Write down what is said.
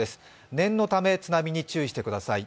念のため津波に注意してください。